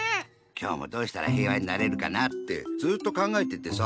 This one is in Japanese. きょうもどうしたら平和になれるかなぁってずっとかんがえててさ。